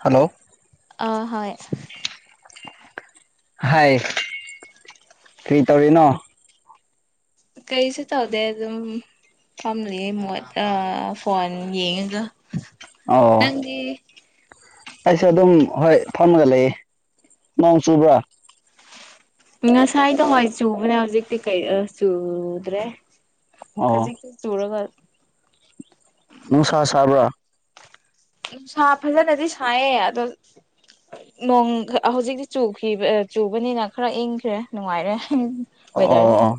hello ꯑ ꯍꯣꯏ ꯍꯥꯏ ꯀꯔꯤ ꯇꯧꯔꯤꯅꯣ ꯀꯔꯤꯁꯨ ꯇꯧꯗꯦ ꯑꯗꯨꯝ ꯐꯝꯂꯤꯌꯦ ꯃꯣꯠ ꯐꯣꯟ ꯌꯦꯡꯉꯒ ꯅꯪꯗꯤ ꯑꯩꯁꯨꯦ ꯑꯗꯨꯝ ꯍꯣꯏ ꯐꯝꯃꯒ ꯂꯩꯌꯦ ꯅꯣꯡ ꯆꯨꯕ꯭ꯔꯥ ꯉꯁꯥꯏꯗꯣ ꯍꯣꯏ ꯆꯨꯕꯅꯦ ꯍꯧꯖꯤꯛꯇꯤ ꯀ ꯆꯨꯗ꯭ꯔꯦ ꯑꯣ ꯈꯖꯤꯛꯛꯇ ꯆꯔꯒ ꯅꯨꯡ ꯁꯥꯥ ꯁꯥꯕ꯭ꯔ ꯅꯨꯡꯁꯥ ꯐꯖꯅꯗꯤ ꯁꯥꯏꯌꯦ ꯑꯗꯣ ꯍꯧꯖꯤꯛꯇꯤ ꯆꯨ ꯆꯨꯕꯅꯤꯅ ꯈꯔ ꯏꯪꯈ꯭ꯔꯦ ꯅꯨꯡꯉꯥꯏꯔꯦ ꯎꯝ ꯑꯣ ꯑꯣꯏꯗꯔꯁꯦ ꯑꯣ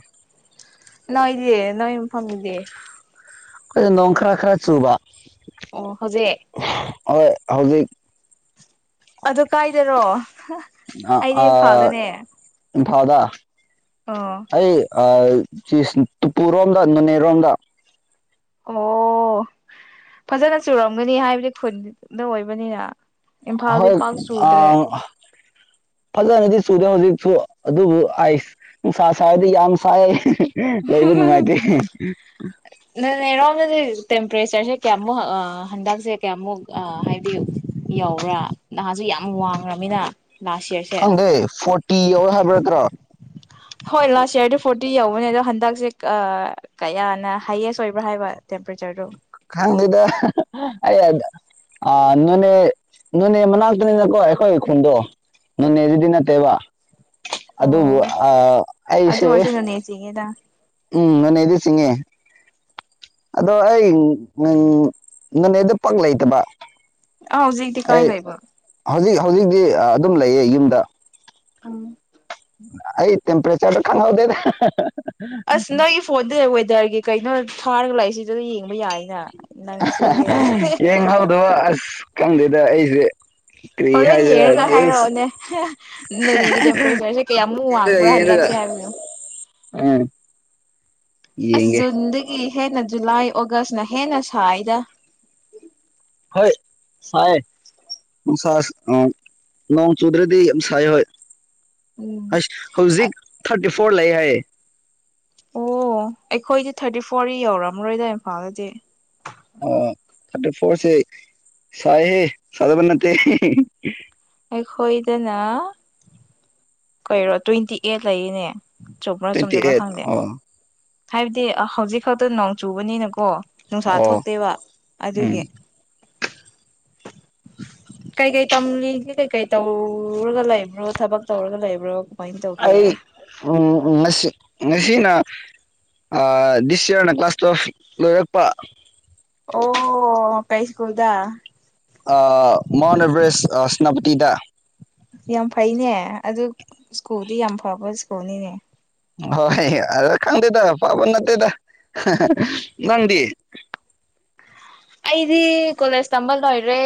ꯅꯣꯏ ꯏꯗꯤ ꯅꯣꯏ ꯃꯐꯝꯒꯤꯗꯤ ꯑꯩ ꯅꯣꯡꯈ꯭ꯔ ꯈꯔ ꯆꯨꯕꯥ ꯑꯣ ꯍꯧꯖꯤꯦ ꯍꯧ ꯍꯧꯖꯤꯛ ꯑꯗꯨ ꯀꯥꯏꯗꯔꯣ ꯑꯩꯗꯤ ꯏꯝꯐꯥꯜꯗꯅꯦ ꯝ ꯐꯥꯎꯗ ꯑ ꯇꯨꯄꯨꯔꯣꯝꯗ ꯅꯣꯅꯦꯔꯣꯝꯗ ꯑꯣ ꯐꯖꯅ ꯆꯨꯔꯝꯒꯅꯤ ꯍꯥꯏꯕꯗꯤ ꯈꯨꯟꯗ ꯑꯣꯏꯕꯅꯤꯅ ꯏꯝꯐꯥꯜꯗꯤ ꯍꯣꯏ ꯄꯥꯛ ꯑ ꯆꯨꯗ꯭ꯔꯦ ꯐꯗꯤ ꯆꯨꯗꯦ ꯍꯧꯖꯤꯛꯁꯨ ꯑꯗꯨꯕꯨ ꯑꯩꯁ ꯅꯨꯡꯁꯥ ꯁꯥꯔꯗꯤ ꯌꯥꯝ ꯁꯥꯏ ꯂꯩꯕ ꯅꯨꯡꯉꯥꯏꯇꯦ ꯍꯥꯟꯅꯗꯤ ꯇꯦꯝꯄꯔꯦꯆꯔꯁꯦ ꯀꯌꯥꯃꯨꯛ ꯍꯟꯗꯛꯁꯦ ꯀꯌꯥꯃꯨꯛ ꯍꯥꯏꯕꯗꯤ ꯌꯎꯕ꯭ꯔꯥ ꯅꯍꯥꯁꯨ ꯌꯥꯝ ꯋꯥꯡꯉꯃꯤꯅ ꯈꯪꯗꯦ ꯐꯣꯔꯇꯤ ꯌꯧꯔꯦ ꯍꯥꯏꯕ ꯅꯠꯇ꯭ꯔꯣ ꯍꯣꯏ ꯂꯥꯁ ꯌꯔꯗꯤ ꯐꯣꯔꯇꯤ ꯌꯧꯕꯅꯦ ꯑꯗꯣ ꯍꯟꯗꯛꯁꯦ ꯀꯌꯥꯅ ꯍꯥꯏꯌꯦꯁ ꯑꯣꯏꯕ꯭ꯔꯥ ꯍꯥꯏꯕ ꯇꯦꯝꯄꯔꯦꯆꯔꯗꯣ ꯈꯪꯗꯦꯗ ꯑꯩ ꯅꯣꯅꯦ ꯅꯣꯅꯦ ꯃꯅꯥꯛꯇꯅꯤꯅꯀꯣ ꯑꯩꯈꯣꯏ ꯈꯨꯟꯗꯣ ꯅꯣꯅꯦꯁꯤꯗꯤ ꯅꯠꯇꯦꯕ ꯑꯗꯨꯕꯨ ꯑꯣ ꯑ ꯑꯗꯨ ꯑꯩꯁꯦ ꯑꯣꯏꯔꯁꯨ ꯅꯣꯅꯦ ꯆꯤꯡꯉꯦꯗ ꯎꯝ ꯅꯅꯦ ꯏꯗ ꯁꯤꯉꯦ ꯑꯗꯣ ꯑꯩ ꯅꯅꯦꯅꯦ ꯑꯗꯨ ꯄꯛ ꯂꯩꯇꯕ ꯑꯥ ꯍꯧꯖꯤꯛꯇꯤ ꯀꯥꯏ ꯑꯩ ꯂꯩꯕ ꯍꯧꯖꯤꯛ ꯍꯧꯖꯤꯛꯇꯤ ꯑꯗꯨꯝ ꯂꯩꯌꯦ ꯌꯨꯝꯗ ꯑ ꯑꯩ ꯇꯦꯝꯄꯔꯦꯆꯔꯗ ꯈꯅ ꯍꯗꯦꯗ ꯑꯁ ꯅꯪ ꯏ ꯐ ꯍꯣꯗꯦ ꯑꯣꯏꯋꯗꯔꯒ ꯀꯩꯅꯣ ꯊꯥꯔꯒ ꯂꯥꯛꯏꯁꯤꯗꯗ ꯌꯦꯡꯕ ꯌꯥꯏꯅ ꯅꯪꯁꯦ ꯌꯦꯡ ꯉꯥꯎꯗꯕ ꯑꯁ ꯈꯪꯗꯦꯗ ꯑꯩꯁꯦ ꯀꯔꯤ ꯍꯣꯔꯦꯟ ꯍꯥꯏꯖꯔ ꯌꯦꯡꯉꯒ ꯌꯦ ꯍꯥꯏꯔꯛꯑꯣꯅꯦ ꯅꯣꯅꯦꯒꯤ ꯇꯦꯝꯄꯔꯦꯆꯔꯁꯦ ꯀꯌꯥꯃꯨꯛ ꯋꯥꯡꯕ꯭ꯔꯥ ꯍꯟꯗꯛꯁꯦ ꯍꯥꯏꯕꯗꯣ ꯑ ꯑꯁ ꯗꯨꯟꯗꯒꯤ ꯍꯦꯟꯅ ꯖꯨꯂꯥꯏ ꯑꯣꯒꯁꯅ ꯍꯦꯟꯅ ꯁꯥꯏꯗ ꯍ ꯁꯥꯏ ꯅꯣꯡ ꯆꯧꯗ꯭ꯔꯦꯗꯤ ꯁꯥꯏ ꯍ ꯎꯝ ꯑ ꯍꯧꯖꯤꯛ ꯊꯥꯔꯇꯤ ꯐꯣꯔ ꯂꯩ ꯍꯥꯏꯌꯦ ꯑꯣ ꯑꯩꯈꯣꯏꯗꯤ ꯊꯥꯔꯇꯤ ꯐꯣꯔ ꯌꯧꯔꯝꯃꯔꯣꯏꯗ ꯏꯝꯐꯥꯜꯗꯗꯤ ꯑꯣꯇ ꯐꯣꯔꯁꯦ ꯆꯥꯏꯍꯦ ꯆꯗꯕꯅꯠꯇ ꯑꯦꯈꯣꯏꯗꯅ ꯀꯩꯔꯣ ꯇ꯭ꯋꯦꯟꯇꯤ ꯑꯩꯠ ꯂꯩꯔꯤꯅꯦ ꯇ꯭ꯋꯦꯟꯇꯤ ꯑꯩꯠ ꯑꯣ ꯍꯥꯏꯕꯗꯤ ꯍꯧꯖꯤꯛ ꯈꯛꯇ ꯅꯣꯡ ꯆꯨꯕꯅꯤꯅꯀꯣ ꯅꯨꯡꯁꯥ ꯑꯣ ꯊꯣꯛꯇꯦꯕ ꯎꯝ ꯑꯗꯨꯒꯤ ꯀꯩꯀꯩ ꯇꯝꯂꯤꯒꯦ ꯀꯩꯀꯩ ꯇꯧꯔꯒ ꯂꯩꯕ꯭ꯔꯣ ꯊꯕꯛ ꯇꯧꯔꯒ ꯔꯤꯕ꯭ꯔꯣ ꯑꯩ ꯎꯝ ꯃꯁꯤ ꯉꯁꯤꯅ ꯗꯤꯁ ꯏꯌꯥꯔꯅ ꯀ꯭ꯂꯥꯁ ꯇꯨꯋꯦꯜꯐ ꯂꯣꯏꯔꯛꯄ ꯑꯣ ꯀꯩꯁ ꯀꯗ ꯑ ꯃꯟ ꯑꯦꯕꯔꯦꯁ ꯁꯅꯕꯇꯤꯗ ꯌꯥꯝ ꯐꯩꯅꯦ ꯑꯗꯨ ꯁ꯭ꯀꯨꯜꯗꯤ ꯌꯥꯝ ꯐꯕ ꯁ꯭ꯀꯨꯜꯅꯤꯅꯦ ꯍꯣꯏ ꯑꯗ ꯈꯪꯗꯦꯗ ꯐꯕ ꯅꯠꯇꯦꯗ ꯍ ꯍ ꯅꯪꯗꯤ ꯑꯩꯗꯤ ꯀꯣꯂꯦꯖ ꯇꯝꯕ ꯂꯣꯏꯔꯦ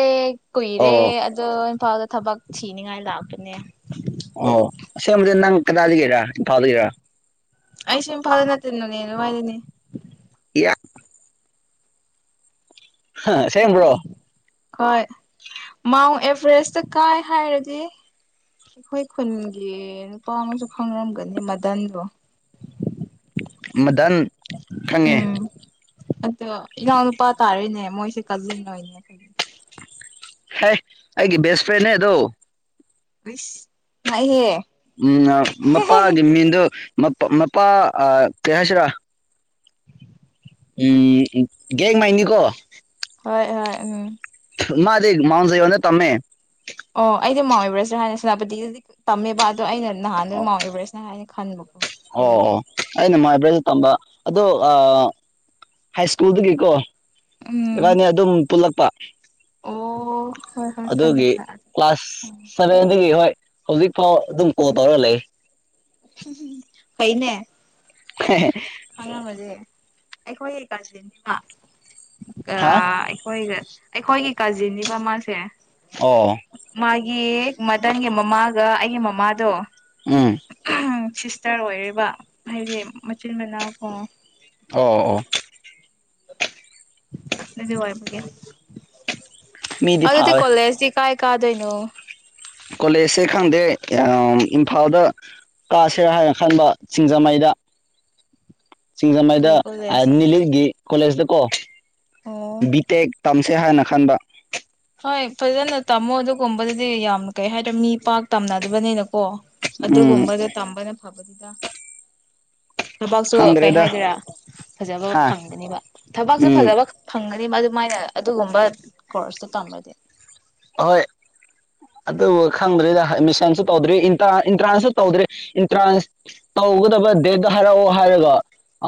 ꯀꯨꯏꯔꯦ ꯑꯣ ꯑꯗꯣ ꯏꯝꯐꯥꯜꯗ ꯊꯕꯛ ꯊꯤꯅꯤꯡꯉꯥꯏ ꯂꯥꯛꯄꯅꯦ ꯑꯣ ꯑꯁꯦꯡꯕꯗꯤ ꯅꯪ ꯀꯗꯥꯗꯒꯤꯔꯥ ꯏꯝꯐꯥꯜꯗꯒꯤꯔꯥ ꯑꯩꯁꯦ ꯏꯝꯐꯥꯜꯗꯩ ꯅꯠꯇꯦ ꯅꯣꯅꯦ ꯂꯋꯥꯥꯏꯗꯩꯅꯦ ꯏꯌꯥ ꯍꯥ ꯑꯁꯦꯝꯕ꯭ꯔꯣ ꯍꯣꯏ ꯃꯥꯎꯟ ꯑꯦꯚꯔꯦꯁꯇ ꯀꯥꯏ ꯍꯥꯏꯔꯗꯤ ꯑꯩꯈꯣꯏ ꯈꯨꯟꯒꯤ ꯅꯨꯄꯥ ꯑꯃꯁꯨ ꯈꯪꯔꯝꯒꯅꯤ ꯃꯗꯟꯗꯣ ꯃꯗꯟ ꯈꯪꯉꯦ ꯎꯝ ꯑꯗꯣ ꯏꯅꯥꯎ ꯅꯨꯨꯄꯥ ꯇꯥꯔꯦꯅꯦ ꯃꯣꯏꯖꯦ ꯀꯖꯤꯟ ꯑꯣꯏꯅꯦ ꯑꯩꯈꯣꯏꯒꯤ ꯍꯦ ꯑꯩꯒꯤ ꯕꯦꯁ ꯐ꯭ꯔꯦꯟꯅꯦ ꯑꯗꯣ ꯏꯁ ꯉꯥꯛꯏꯍꯦ ꯎꯝ ꯅ ꯃꯄꯥꯒꯤ ꯃꯤꯡꯗꯨ ꯃꯄꯥ ꯃꯄꯥ ꯑ ꯇꯦꯍꯁꯤꯔꯥ ꯎꯝ ꯎꯝ ꯒꯦꯡ ꯃꯥꯏꯅꯤꯀꯣ ꯍꯣꯏ ꯍꯣꯏ ꯎꯝ ꯃꯥꯗꯤ ꯃꯥꯎꯟ ꯁꯦꯌꯣꯟꯗ ꯇꯝꯃꯦ ꯑꯣ ꯑꯩꯗꯤ ꯃꯥꯎꯟ ꯑꯦꯕ꯭ꯔꯦꯖꯔ ꯍꯥꯏꯅ ꯁꯦꯅꯥꯄꯇꯤꯒꯤꯗꯗꯤ ꯇꯝꯃꯦꯕ ꯑꯗꯣ ꯑꯩꯅ ꯅꯍꯥꯟꯗꯣ ꯃꯥꯎꯟ ꯑꯦꯕꯔꯦꯁꯅꯦ ꯍꯥꯏꯅ ꯈꯟꯕ ꯑꯣ ꯑꯣ ꯑꯩꯅ ꯃꯥꯏꯕ꯭ꯔꯦꯜꯗ ꯇꯝꯕ ꯑꯗꯣ ꯑꯥ ꯍꯥꯏ ꯁ꯭ꯀꯨꯜꯗꯒꯤꯀꯣ ꯎꯝ ꯏꯕꯥꯅꯤ ꯑꯗꯨꯝ ꯄꯨꯜꯂꯛꯄ ꯑꯣ ꯍꯣꯏ ꯍꯣꯏ ꯈꯪꯉꯦ ꯑꯗꯨꯒꯤ ꯈꯪꯉꯦ ꯑꯗꯨꯗꯤ ꯀ꯭ꯂꯥꯁ ꯁꯚꯦꯟꯗꯒꯤ ꯍꯣꯏ ꯍꯧꯖꯤꯛ ꯐꯥꯎ ꯑꯗꯨꯝ ꯀꯣꯜ ꯇꯧꯔꯒ ꯂꯩ ꯍꯨꯝ ꯍꯨꯝ ꯍꯨꯝ ꯐꯩꯅꯦ ꯈꯪꯔꯝꯔꯗꯤ ꯑꯩꯈꯣꯏꯒꯤ ꯀꯥꯖꯤꯟꯅꯤ ꯃꯥ ꯒꯥ ꯍꯥ ꯑꯩꯈꯣꯏꯒ ꯑꯩꯈꯣꯏꯒꯤ ꯀꯥꯖꯤꯟꯅꯤꯕ ꯃꯥꯥꯁꯦ ꯑꯣ ꯒꯤ ꯃꯗꯟꯒꯤ ꯃꯃꯥꯒ ꯑꯩꯒꯤ ꯃꯃꯥꯗꯣ ꯎꯝ ꯁꯤꯁꯇꯔ ꯑꯣꯏꯔꯦꯕ ꯍꯥꯏꯕꯗꯤ ꯃꯆꯤꯟ ꯃꯅꯥꯎ ꯀꯣ ꯑꯣ ꯑꯣ ꯑꯗꯨꯗꯤ ꯋꯥꯏꯕꯒ ꯃꯤꯗꯤ ꯑꯗꯨꯗꯤ ꯐꯥꯋꯦ ꯀꯣꯂꯦꯁꯤꯁꯤ ꯀꯥꯏ ꯀꯗꯣꯏꯩꯅꯨ ꯀꯣꯂꯦꯖꯁꯦ ꯈꯪꯗꯦ ꯏꯝꯐꯥꯜꯗ ꯀꯥꯁꯦꯔꯥ ꯍꯥꯏꯅ ꯈꯟꯕ ꯁꯤꯡꯖꯃꯩꯗ ꯀꯩ ꯀꯣꯂꯦꯖ ꯆꯤꯡꯖꯃꯥꯏꯗꯅꯤꯂꯤꯒꯤ ꯀꯣꯂꯦꯖꯗ ꯀꯣ ꯑꯣ ꯕꯤꯇꯦꯛ ꯇꯥꯝꯁꯦ ꯍꯥꯏꯅ ꯈꯟꯕ ꯍꯣꯏ ꯐꯖꯅ ꯇꯝꯃꯣ ꯑꯗꯨꯒꯨꯝꯕꯗꯗꯤ ꯌꯥꯝ ꯀꯩ ꯍꯥꯏꯔꯦ ꯃꯤ ꯄꯥꯛ ꯇꯝꯅꯗꯕꯅꯤꯅ ꯑꯣ ꯎꯝ ꯑꯗꯨꯒꯨꯝꯕꯗ ꯇꯝꯕꯅ ꯐꯕꯗꯤ ꯠꯇ ꯊꯕꯥꯛꯁꯨ ꯀꯩ ꯈꯪꯗ꯭ꯔꯦꯗ ꯍꯥꯏꯗꯣꯏꯔꯥ ꯐꯖꯕ ꯍꯥ ꯐꯪꯒꯅꯤꯕ ꯊꯕꯛꯁꯨ ꯎꯝ ꯐꯖꯕ ꯐꯪꯒꯅꯤꯕ ꯑꯗꯨ ꯁꯨꯃꯥꯏꯅ ꯑꯗꯨꯒꯨꯝꯕ ꯀꯣꯔꯁꯇꯨ ꯇꯝꯕ꯭ꯔꯗꯤ ꯑꯍꯣꯏ ꯑꯗꯨꯕꯨ ꯈꯪꯗ꯭ꯔꯔꯤꯗ ꯑꯦꯗꯃꯤꯁꯟꯁꯨ ꯇꯧꯗ꯭ꯔꯤ ꯑꯦꯟꯇ꯭ꯔꯥꯟꯁꯁꯨ ꯇꯧꯗ꯭ꯔꯤ ꯑꯦꯟꯇ꯭ꯔꯥꯟꯁ ꯇꯧꯒꯗꯕ ꯗꯦꯠꯇꯣ ꯍꯥꯏꯔꯛꯑꯣ ꯍꯥꯏꯔꯒ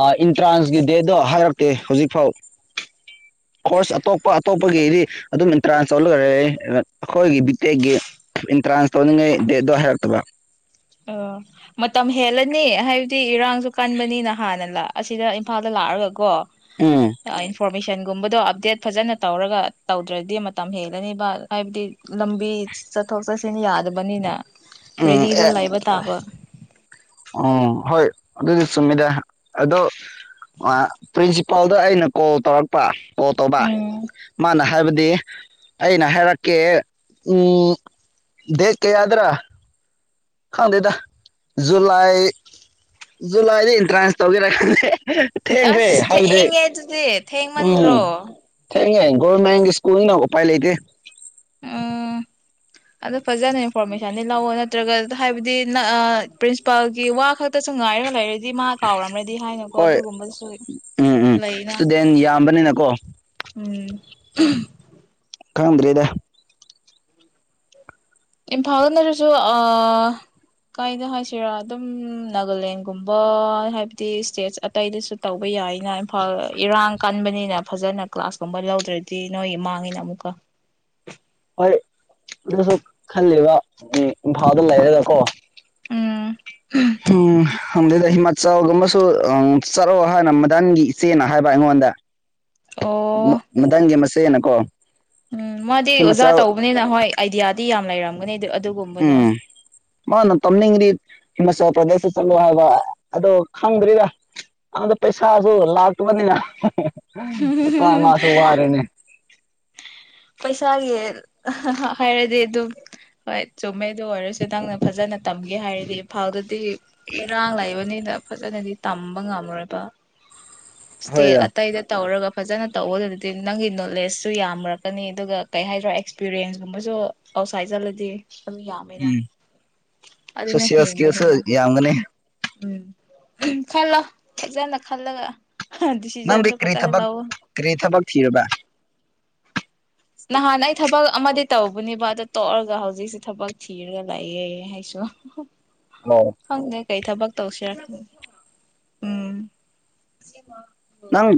ꯑꯦꯟꯇ꯭ꯔꯥꯟꯁꯀꯤ ꯗꯦꯠꯇꯣ ꯍꯥꯏꯔꯛꯇꯦ ꯍꯧꯖꯤꯛꯐꯥꯎ ꯀꯣꯔꯁ ꯑꯇꯣꯞꯄ ꯑꯇꯣꯞꯄꯒꯤꯗꯤ ꯑꯗꯨꯝ ꯑꯦꯟꯇ꯭ꯔꯥꯟꯁ ꯇꯧꯂꯔ ꯑꯩ ꯑꯩꯈꯣꯏꯒꯤ ꯕꯤꯇꯦꯛꯀꯤ ꯑꯦꯟꯇ꯭ꯔꯥꯟꯁ ꯇꯧꯅꯤꯡꯉꯩ ꯗꯦꯗꯣ ꯍꯥꯏꯔꯛꯇꯕ ꯑꯣ ꯃꯇꯝ ꯍꯦꯜꯂꯅꯤ ꯍꯥꯏꯕꯗꯤ ꯏꯔꯥꯡꯁꯨ ꯀꯟꯕꯅꯤꯅ ꯍꯥꯟꯅ ꯑꯁꯤꯗ ꯏꯝꯐꯥꯜꯗ ꯂꯥꯛꯑꯒꯀꯣ ꯎꯝ ꯏꯟꯐꯣꯔꯃꯦꯁꯟ ꯒꯨꯝꯕꯗꯣ ꯑꯞꯗꯦꯠ ꯐꯖꯅ ꯇꯧꯔꯒ ꯇꯧꯗ꯭ꯔꯗꯤ ꯃꯇꯝ ꯍꯦꯜꯂꯅꯤꯕ ꯍꯥꯏꯕꯗꯤ ꯂꯝꯕꯤ ꯆꯠꯊꯣꯛ ꯆꯠꯁꯤꯟ ꯌꯥꯗꯕꯅꯤꯅ ꯎꯝ ꯑꯦ ꯃꯇꯕ ꯇꯕ ꯑꯣ ꯍꯣꯏ ꯑꯗꯨꯗꯤ ꯁꯨꯝꯃꯤꯗ ꯑꯗꯣ ꯑ ꯄꯤꯟꯁꯤ ꯄꯥꯎꯗ ꯑꯩꯅ ꯀꯣꯜ ꯇꯧꯔꯛꯄ ꯑꯣ ꯇꯣꯕꯥ ꯎꯝ ꯃꯥꯅ ꯍꯥꯏꯕꯗꯤ ꯑꯩꯅ ꯍꯥꯏꯔꯛꯀꯦ ꯎꯝ ꯗꯦꯠ ꯀꯌꯥꯗ꯭ꯔꯥ ꯈꯪꯗꯦꯗ ꯖꯨꯂꯥꯏ ꯖꯨꯂꯥꯏꯗ ꯑꯦꯟꯇ꯭ꯔꯥꯟꯁ ꯇꯧꯒꯦꯔꯦ ꯊꯦꯡꯈ꯭ꯔꯦ ꯑꯁ ꯍꯥꯏꯕꯗꯤ ꯊꯦꯡꯉꯦ ꯑꯗꯨꯗꯤ ꯊꯦꯡꯃꯟꯗ꯭ꯔꯣ ꯎꯝ ꯊꯦꯡꯉꯦ ꯒꯔꯃꯦꯟ ꯁꯀꯨꯜ ꯅ ꯎ ꯄꯥꯏ ꯂꯩꯇꯦ ꯎꯝ ꯑꯗꯨꯗꯣ ꯐꯖꯅ ꯏꯟꯐꯣꯔꯃꯦꯁꯟꯗꯤ ꯂꯧꯥꯛꯑꯣꯣ ꯅꯠꯇ꯭ꯔꯒ ꯍꯥꯏꯕꯗꯤ ꯄ꯭ꯔꯤꯟꯁꯤꯄꯥꯜꯒꯤ ꯋꯥ ꯈꯛꯇꯁꯨ ꯉꯥꯏꯔꯒ ꯂꯩꯔꯦh ꯗꯤ ꯃꯥ ꯀꯥꯎꯔꯝ꯭ꯔꯗꯤ ꯍꯥꯏꯅꯀꯣ ꯍꯣꯏ ꯑꯗꯨꯒꯨꯝꯕꯁꯨ ꯎꯝ ꯎꯝ ꯂꯩꯅ ꯏꯁꯇꯨꯗꯦꯟ ꯌꯥꯝꯕꯅꯤꯅꯀꯣ ꯎꯝ [unintelligible] ꯈꯪꯗ꯭ꯔꯦꯗ ꯏꯝꯐꯥꯜꯅꯗꯁꯨ ꯀꯥꯏꯗ ꯍꯥꯏꯁꯤꯔꯥ ꯑꯗꯨꯝ ꯅꯥꯒꯥꯂꯦꯟꯒꯨꯝꯕ ꯍꯥꯏꯕꯗꯤ ꯏꯁꯇꯦꯠꯁ ꯑꯇꯩꯗꯁꯨ ꯇꯧꯕ ꯌꯥꯏꯅ ꯏꯝꯐꯥꯜ ꯏꯔꯥꯡ ꯀꯟꯕꯅꯤꯅ ꯐꯖꯅ ꯀ꯭ꯂꯥꯁꯀꯨꯝꯕ ꯂꯧꯗ꯭ꯔꯗꯤ ꯅꯣꯏꯒꯤ ꯃꯥꯡꯉꯤꯅ ꯑꯃꯨꯛꯀ ꯍꯣꯏ ꯑꯗꯨꯁꯨ ꯈꯜꯂꯤꯕ ꯎ ꯐꯥꯎꯗ ꯂꯩꯔꯦꯗꯀꯣ ꯎꯝ ꯎꯝ ꯍꯗꯗ ꯍꯃ ꯆꯒꯨꯝꯕꯨ ꯆꯠꯂꯑꯣ ꯍꯥꯏꯥꯟꯅ ꯃꯗꯟꯒꯤ ꯏꯆꯦꯅ ꯍꯥꯏꯕ ꯑꯩꯉꯣꯟꯗ ꯑꯣ ꯃ ꯃꯗꯥꯒꯦ ꯃꯁ ꯁꯅꯀꯣ ꯎꯝ ꯃꯥꯗꯤ ꯑꯣꯖꯥ ꯇꯧꯕꯅꯤꯅ ꯍꯣꯏ ꯑꯥꯏꯗꯤꯌꯥꯗꯤ ꯌꯥꯝ ꯂꯩꯔꯝꯒ ꯃꯅꯦ ꯑꯗꯨ ꯑꯗꯨ ꯀꯨꯝꯕꯗꯣ ꯎꯝ ꯃꯥꯅ ꯇꯝꯅꯤꯡꯉꯗꯤ ꯍꯤꯃꯥꯆꯜ ꯄ꯭ꯔꯗꯦꯁꯇ ꯆꯠꯂꯣ ꯍꯥꯏꯕ ꯑꯗꯣ ꯈꯪꯗ꯭ꯔꯤꯔ ꯑꯉꯣꯟꯗ ꯄꯩꯁꯥꯁꯨ ꯂꯥꯛꯇꯕꯅꯤꯅ ꯇꯥꯏ ꯃꯥꯁꯨ ꯋꯥꯔꯦꯅꯦ ꯄꯩꯁꯥꯒꯤ ꯍꯥꯏꯔꯗꯤ ꯑꯗꯨꯝ ꯍꯣꯏ ꯆꯨꯝꯃꯦꯩꯗ ꯑꯣꯏꯔꯁꯨ ꯅꯪꯅ ꯐꯖꯅ ꯇꯝꯒꯦ ꯍꯥꯏꯔꯗꯤ ꯏꯝꯐꯥꯜꯗꯗꯤ ꯏꯔꯥꯡ ꯂꯥꯛꯏꯕꯅꯤꯅ ꯐꯖꯅꯗꯤ ꯇꯝꯕ ꯉꯝꯃꯣꯏꯕ ꯏꯁꯇꯦꯠ ꯍꯣꯏꯗ ꯑꯇꯩꯗ ꯇꯧꯔꯒ ꯐꯖꯅ ꯇꯧꯕ ꯑꯗꯨꯗꯤ ꯅꯪꯒꯤ ꯅꯣꯂꯦꯖꯁꯨ ꯌꯥꯝꯃꯔꯛꯀꯅꯤ ꯑꯗꯨꯒ ꯀꯩ ꯍꯥꯏꯗꯔꯣ ꯑꯦꯛꯁꯄꯤꯔꯤꯌꯦꯟꯁꯒꯨꯝꯕꯁꯨ ꯑꯥꯎꯠꯁꯥꯏꯠ ꯆꯠꯂꯗꯤ ꯑꯗꯨꯝ ꯌꯥꯝꯃꯦꯅ ꯎꯝ ꯑꯗꯨꯅ ꯁꯣꯏꯀꯤꯁ ꯍꯦꯟꯒꯅꯤꯅ ꯌꯥ ꯑꯅꯦ ꯎꯝ ꯈꯜꯂꯣ ꯐꯖꯅ ꯈꯜꯂꯒ ꯅꯪꯗꯤ ꯗꯤꯁꯤꯖꯟꯗꯣ ꯀꯔꯤ ꯐꯖꯅ ꯊꯕꯛ ꯂꯧꯋꯣ ꯀꯔꯤ ꯊꯕꯛ ꯊꯤꯔꯕ ꯅꯍꯥꯟ ꯑꯩ ꯊꯕꯛ ꯑꯃꯗꯤ ꯇꯧꯕꯅꯦꯕ ꯑꯗꯣ ꯇꯣꯛꯔꯒ ꯍꯧꯖꯤꯛꯁꯦ ꯊꯕꯛ ꯊꯤꯔꯒ ꯂꯥꯛꯌꯦ ꯍꯥꯏꯁꯨ ꯑꯣ ꯍꯪꯗꯦ ꯀꯩ ꯊꯕ ꯇꯧꯁꯤꯌꯥ ꯎꯝ ꯅꯪ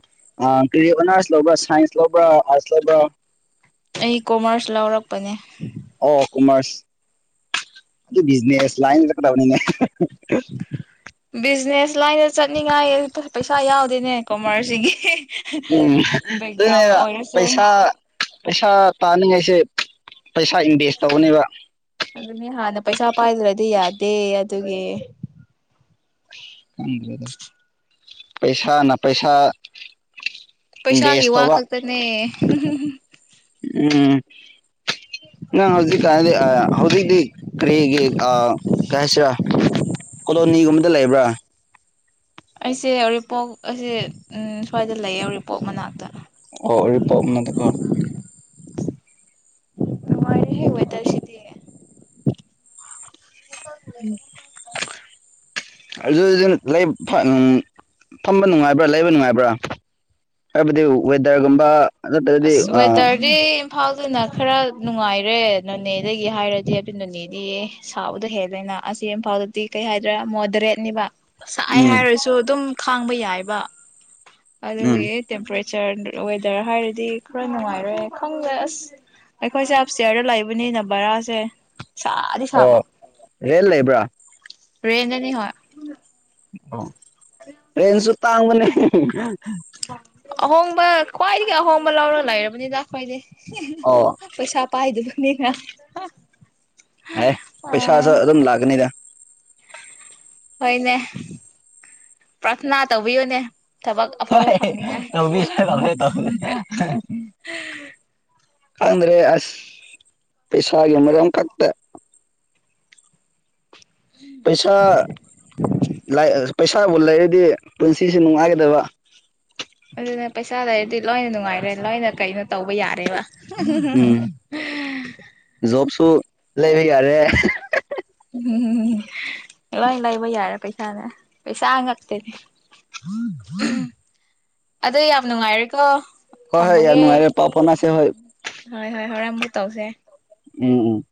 ꯀ ꯑꯣꯅꯔꯁ ꯂꯧꯕ ꯁꯥꯏꯟꯁ ꯂꯧꯕ ꯑꯥꯔꯠꯁ ꯂꯧꯕ ꯑꯩ ꯀꯣꯃꯔꯁ ꯂꯧꯥꯎꯔꯛꯄꯅꯦ ꯑꯣ ꯀꯣꯃꯔꯁ ꯑꯗꯨ ꯕꯤꯖꯤꯅꯦꯁ ꯂꯥꯏꯟ ꯆꯠꯀꯗꯕꯅꯤꯅꯦ ꯎ ꯕꯤꯖꯤꯅꯦꯁ ꯂꯥꯏꯟꯗ ꯆꯠꯅꯤꯡꯉꯥꯏ ꯄꯩꯁꯥ ꯌꯥꯎꯗꯦꯅꯦ ꯀꯣꯃꯔꯁꯁꯤꯒꯤ ꯎꯝ ꯕꯦꯛꯒ꯭ꯔꯥꯎꯟ ꯑꯗꯨꯅꯦꯕ ꯑꯣꯏꯔꯁꯨ ꯄꯩꯁꯥ ꯄꯩꯁꯥ ꯇꯥꯅꯤꯡꯉꯥꯏꯁꯦ ꯄꯩꯁꯥ ꯏꯟꯚꯦꯁ ꯇꯧꯅꯦꯕ ꯑꯗꯨꯅꯤ ꯍꯥꯟꯅ ꯄꯩꯁꯥ ꯄꯥꯏꯗ꯭ꯔꯗꯤ ꯌꯥꯗꯦ ꯑꯗꯨꯒꯤ ꯀꯥꯟꯗ꯭ꯔꯦꯗ ꯄꯩꯁꯥꯅ ꯄꯩꯁꯥ ꯄꯩꯁꯥꯒꯤ ꯏꯟꯚꯦꯁ ꯋꯥ ꯇꯧꯕ ꯈꯛꯇꯅꯦ ꯎꯝ ꯅꯪ ꯍꯧꯖꯤꯛꯀꯥꯟꯅꯗꯤ ꯍꯧꯖꯤꯛꯇꯤ ꯀꯔꯤꯒꯤ ꯀꯩ ꯍꯥꯏꯁꯤꯔꯥ ꯀꯣꯂꯣꯅꯤꯒꯨꯝꯕꯗ ꯂꯩꯕ꯭ꯔꯥ ꯑꯩꯁꯦ ꯎꯔꯤꯄꯣꯛ ꯑꯩꯁꯦ ꯁ꯭ꯋꯥꯏꯗ ꯂꯩꯌꯦ ꯎꯔꯤꯄꯣꯛ ꯃꯅꯥꯛꯇ ꯑꯣ ꯎꯔꯤꯄꯣꯛꯅ ꯇꯀꯣ ꯅꯨꯉꯥꯏꯔꯦ ꯍꯦ ꯋꯦ ꯇꯔ ꯁꯤꯗꯤ ꯎꯝ ꯑꯗꯨꯖꯤ ꯐꯝꯕ ꯅꯨꯡꯉꯥꯏꯕ꯭ꯔꯥ ꯂꯩꯕ ꯅꯨꯡꯉꯥꯏꯕ꯭ꯔꯥ ꯍꯥꯏꯕꯗꯤ ꯋꯦꯗꯔꯒꯨꯝꯕ ꯅꯠꯇꯒꯗꯤ ꯑꯥ ꯑꯗꯨꯅ ꯈꯔ ꯅꯨꯡꯉꯥꯏꯔꯦ ꯅꯣꯅꯦꯗꯒꯤ ꯍꯥꯏꯔꯗꯤ ꯑꯗꯨ ꯅꯣꯅꯦꯗꯤ ꯁꯥꯕꯗ ꯍꯦꯜꯂꯦꯅ ꯑꯁꯤ ꯏꯝꯐꯥꯜꯗꯗꯤ ꯀꯩ ꯍꯥꯏꯗ꯭ꯔꯥ ꯃꯣꯗꯔꯦꯠꯅꯤꯕ ꯁꯥꯏ ꯎꯝ ꯍꯥꯏꯔꯁꯨ ꯑꯗꯨꯝ ꯈꯥꯡꯕ ꯌꯥꯏꯕ ꯎꯝ ꯑꯗꯨꯒꯤ ꯇꯦꯝꯄꯔꯦ ꯆꯔ ꯗꯨ ꯋꯦꯗꯔ ꯍꯥꯏꯔ ꯗꯤ ꯈꯔ ꯅꯨꯡꯉꯥꯏꯔꯦ ꯈꯪꯗꯦ ꯑꯁ ꯑꯩꯈꯣꯏꯁꯦ ꯑꯞ ꯁ꯭ꯇꯤꯌꯥꯔꯗ ꯂꯩꯕꯅꯤꯅ ꯕꯔꯥꯁꯦ ꯁꯥꯗꯤ ꯁꯥꯕ ꯑꯣ ꯔꯦꯟ ꯂꯩꯕ꯭ꯔꯥ ꯔꯦꯟꯗꯅꯤ ꯍꯣꯏ ꯑꯣ ꯔꯦꯟꯁꯨ ꯇꯥꯡꯕꯅꯦ ꯍꯤ ꯍꯤ ꯍ [unintelligible] ꯑꯍꯣꯡꯕ ꯈ꯭ꯋꯥꯏꯗꯒꯤ ꯑꯍꯣꯡꯕ ꯂꯧꯔꯒ ꯂꯩꯔꯕꯅꯤꯗ ꯑꯈꯣꯏꯗꯤ ꯍꯤ ꯍꯤ ꯑꯣ ꯍꯤ ꯄꯩꯁꯥ ꯄꯥꯏꯗꯦꯕ ꯅꯦ ꯍꯥ ꯍꯥ ꯑꯥꯏ ꯄꯩꯁꯥꯁꯨ ꯑꯗꯨꯝ ꯂꯥꯛꯀꯅꯤꯗ ꯍꯣꯏꯅꯦ ꯄ꯭ꯔꯊꯅꯥ ꯇꯧꯕꯤꯌꯣꯅꯦ ꯍꯣꯏ ꯍꯦ ꯍꯦ ꯍꯍ ꯇꯧꯕꯤꯒꯦ ꯇꯧꯒꯦ ꯇꯧꯒꯦ ꯍꯍ ꯍ ꯈꯪꯗ꯭ꯔꯦ ꯑꯁ ꯄꯩꯁꯥꯒꯤ ꯃꯔꯝ ꯈꯛꯇ ꯄꯩꯁꯥ ꯂꯥꯏꯔꯑꯁꯨ ꯄꯩꯁꯥ ꯂꯩꯔꯗꯤ ꯄꯨꯟꯁꯤꯁꯤ ꯅꯨꯡꯉꯥꯏꯒꯗꯕ ꯑꯗꯨꯅ ꯄꯩꯁꯥ ꯂꯩꯔꯗꯤ ꯂꯣꯏꯅ ꯅꯨꯡꯉꯥꯏꯔꯦ ꯂꯣꯏꯅ ꯀꯩꯅꯣ ꯇꯧꯕ ꯌꯥꯔꯦꯕ ꯍꯨꯡ ꯍꯨꯡ ꯍꯨꯡ ꯍꯨꯡ ꯍꯍ ꯇꯨ ꯂꯩꯕ ꯌꯥꯔꯦ ꯍꯍ ꯍ ꯎꯝ ꯍꯨꯝ ꯍꯨꯝ ꯍꯨꯝ ꯂꯣꯏ ꯂꯩꯕ ꯌꯥꯔꯦ ꯄꯩ ꯁꯥꯅ ꯄꯩꯁꯥ ꯉꯥꯛꯇꯅꯤ [unintelligible] ꯑꯗꯣ ꯌꯥꯝ ꯅꯨꯡꯉꯥꯏꯔꯦꯀꯣ ꯍꯣꯏ ꯍꯣꯏ ꯌꯥꯝ ꯊꯝꯃꯒꯦ ꯅꯨꯡꯉꯥꯏꯔꯦ ꯄꯥꯎ ꯐꯥꯎꯅꯁꯦ ꯍꯣꯏ ꯍꯣꯏ ꯍꯣꯏ ꯍꯣꯔꯦꯟ ꯑꯃꯨꯛ ꯇꯧꯁꯦ ꯎꯝ ꯎꯝ